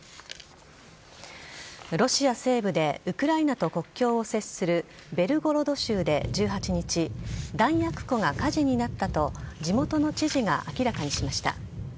ロシア西部でウクライナと国境を接するベルゴロド州で１８日弾薬庫が火事になったと地元の知事が明らかにしました。